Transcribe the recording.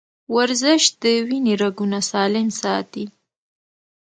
ورزش د وینې رګونه سالم ساتي.